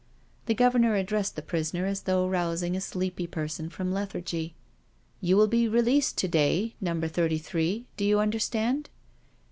The Governor addressed the prisoner as though rous ing a sleepy person from lethargy: " You will be released to day. Number Thirty three you understand?"